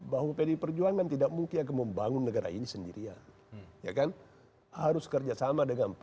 bahwa pdi perjuangan tidak mungkin akan membangun negara ini sendirian ya kan harus kerjasama dengan